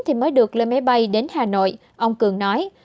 thì mới được lên máy bay đến hà nội ông cường nói